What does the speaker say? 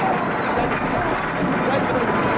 大丈夫大丈夫。